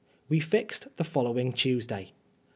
We fixed the following Tuesday.